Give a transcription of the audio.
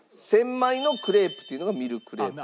「１０００枚のクレープ」っていうのがミルクレープ。